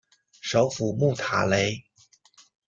首府穆塔雷。